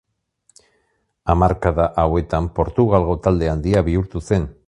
Hamarkada hauetan Portugalgo talde handia bihurtu zen.